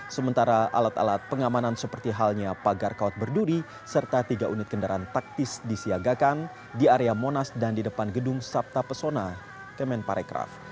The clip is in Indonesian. sementara alat alat pengamanan seperti halnya pagar kawat berduri serta tiga unit kendaraan taktis disiagakan di area monas dan di depan gedung sabta pesona kemenparekraf